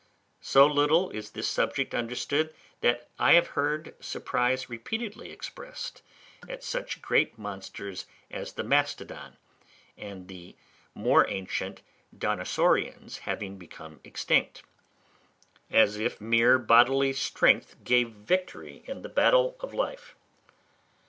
So little is this subject understood, that I have heard surprise repeatedly expressed at such great monsters as the Mastodon and the more ancient Dinosaurians having become extinct; as if mere bodily strength gave victory in the battle of life.